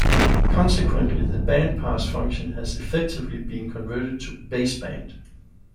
Consequently, the bandpass function has effectively been converted to baseband.